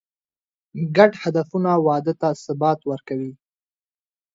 ګډ هدفونه واده ته ثبات ورکوي.